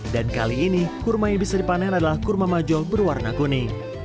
dan kali ini kurma yang bisa dipanen adalah kurma majo berwarna kuning